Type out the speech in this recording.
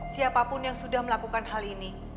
siapapun yang sudah melakukan hal ini